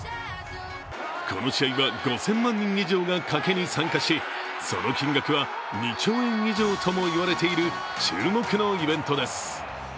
この試合は５０００万人以上が賭けに参加し、その金額は２兆円以上とも言われている注目のイベントです。